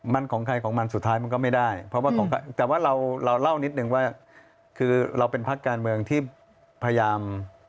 มันของใครของมันสุดท้ายมันก็ไม่ได้เพราะว่าแต่ว่าเราเล่านิดนึงว่าคือเราเป็นพักการเมืองที่พยายาม